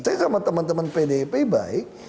saya sama teman teman pdip baik